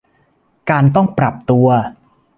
การต้องปรับตัว